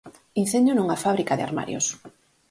Incendio nunha fábrica de armarios.